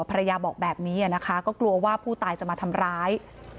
ภรรยาบอกแบบนี้นะคะก็กลัวว่าผู้ตายจะมาทำร้าย